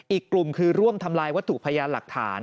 อีกกลุ่มคือร่วมทำลายวัตถุพยานหลักฐาน